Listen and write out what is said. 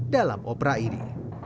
dalam opera ini